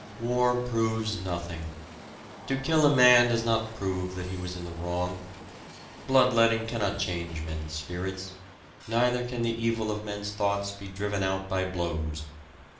War proves nothing. To kill a man does not prove that he was in the wrong. Bloodletting cannot change men's spirits, neither can the evil of men's thoughts be driven out by blows.